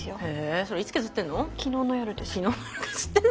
それいつ削ってんの？